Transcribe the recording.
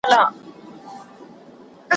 د دوی د موقتي او لړزانه امنیت سره سره `